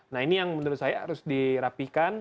nah ini yang menurut saya harus dirapikan